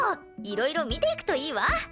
いろいろ見ていくといいわ！